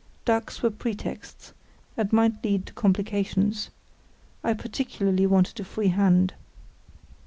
Ducks were pretexts, and might lead to complications. I particularly wanted a free hand.